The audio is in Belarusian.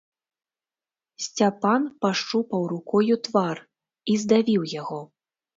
Сцяпан пашчупаў рукою твар і здавіў яго.